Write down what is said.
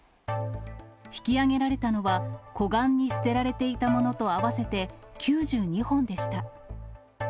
引き上げられたのは、湖岸に捨てられていたものと合わせて９２本でした。